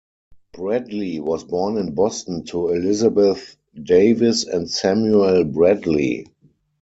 Bradlee was born in Boston to Elizabeth Davis and Samuel Bradlee.